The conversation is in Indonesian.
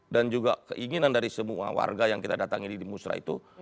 dan juga keinginan dari semua warga yang kita datangin di musra itu